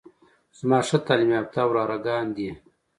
زما ښه تعليم يافته وراره ګان دي.